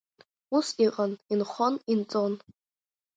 Ус иҟан, инхон-инҵон.